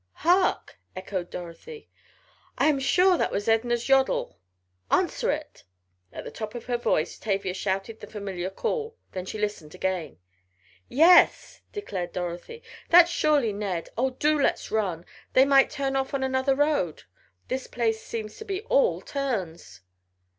"Hark!" echoed Dorothy. "I am sure that was Edna's yoddle. Answer it!" At the top of her voice Tavia shouted the familiar call. Then she listened again. "Yes," declared Dorothy, "that's surely Ned. Oh, do let's run! They might turn off on another road! This place seems to be all turns."